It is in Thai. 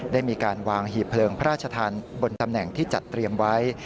ได้มีการวางหีบเลิงพระราชทานบนตำแหน่งที่จัดเตรียมไว้